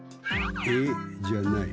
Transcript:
「えっ？」じゃない。